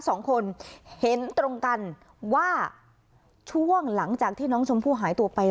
สองคนเห็นตรงกันว่าช่วงหลังจากที่น้องชมพู่หายตัวไป